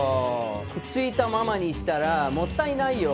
くっついたままにしたらもったいないよ。